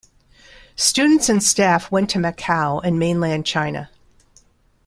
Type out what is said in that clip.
Students and staff went to Macau and mainland China.